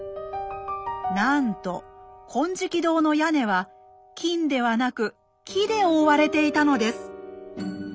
なんと金色堂の屋根は金ではなく木で覆われていたのです。